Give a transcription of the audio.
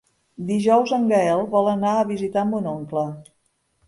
Dijous en Gaël vol anar a visitar mon oncle.